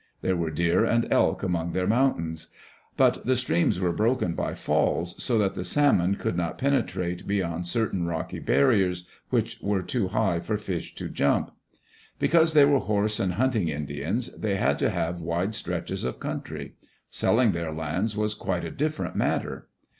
There were deer and elk among their mountains. But the streams were broken by falls, so that the salmon could not penetrate beyond cer tain rocky barriers which were too high for fish to jump. Because they were horse and hunting Indians, they had to have wide stretches of country. Selling their lands was quite a different matter.